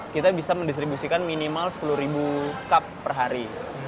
kita bisa mendistribusikan minimal sepuluh ribu cup per hari